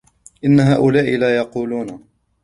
إِنَّ هَؤُلَاءِ لَيَقُولُونَ